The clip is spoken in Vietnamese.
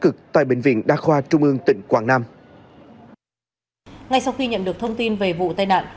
cực tại bệnh viện đa khoa trung ương tỉnh quảng nam ngay sau khi nhận được thông tin về vụ tai nạn